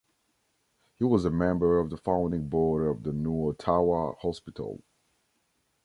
He was a member of the Founding Board of the New Ottawa Hospital.